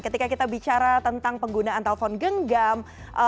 ketika kita bicara tentang penggunaan telepon genggam